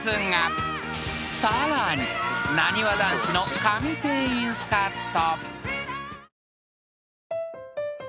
［さらになにわ男子の神店員スカッと］